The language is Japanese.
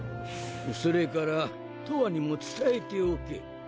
それからとわにも伝えておけ。